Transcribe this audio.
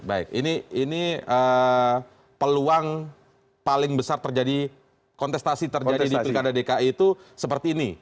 baik ini peluang paling besar terjadi kontestasi terjadi di pilkada dki itu seperti ini